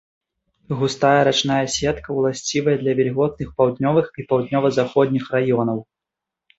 Густая рачная сетка ўласцівая для вільготных паўднёвых і паўднёва-заходніх раёнаў.